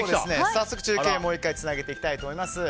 早速、中継にもう１回つなげたいと思います。